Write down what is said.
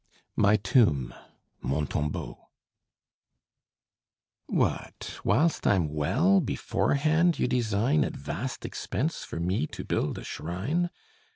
MY TOMB (MON TOMBEAU) What! whilst I'm well, beforehand you design, At vast expense, for me to build a shrine?